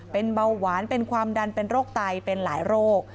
เป็นเบาหวานเป็นความดันเป็นโรคไตเป็นหลายโรค